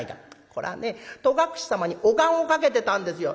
「これはね戸隠様にお願をかけてたんですよ」。